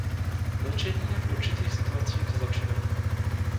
Mlčení je v určitých situacích zločinem.